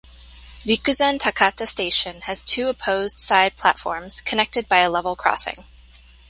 Rikuzen-Takata Station had two opposed side platforms, connected by a level crossing.